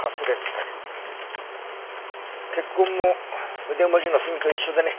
血痕も筆文字の墨と一緒でね